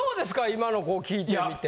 今の聞いてみて。